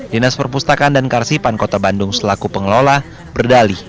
dinas perpustakaan dan karsipan kota bandung selaku pengelola berdalih